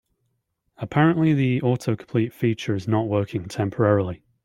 Apparently, the autocomplete feature is not working temporarily.